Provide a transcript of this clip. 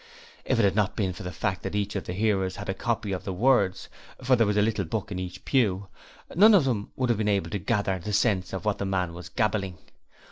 If it had not been for the fact that each of his hearers had a copy of the words for there was a little book in each pew none of them would have been able to gather the sense of what the man was gabbling.